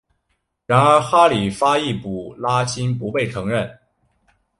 然而哈里发易卜拉欣不被承认。